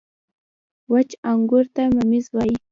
• وچ انګور ته مميز وايي.